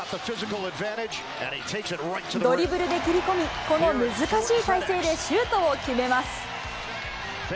ドリブルで切り込み、この難しい体勢でシュートを決めます。